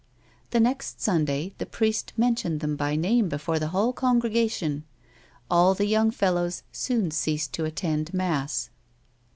The next Sunday the priest mentioned them by name before the whole congregation. All the young fellows soon ceased to attend mass.